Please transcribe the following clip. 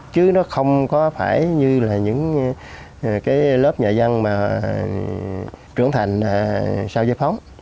chứ nó không có phải như là những cái lớp nhà văn mà trưởng thành sau giới phóng